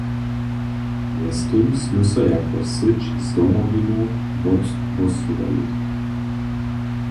Mjeztym smy so jako syć z Domowinu wothłosowali.